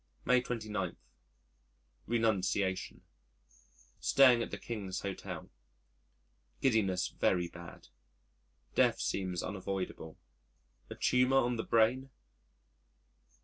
May 29. Renunciation Staying at the King's Hotel, . Giddiness very bad. Death seems unavoidable. A tumour on the brain?